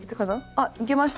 あっいけました。